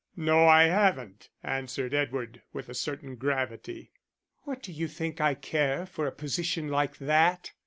"No, I haven't," answered Edward, with a certain gravity. "What do you think I care for a position like that?